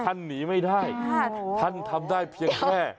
ท่านทำได้เพียงแค่